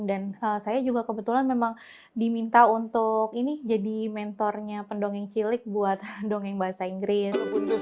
dan saya juga kebetulan memang diminta untuk ini jadi mentornya pendongeng cilik buat dongeng bahasa inggris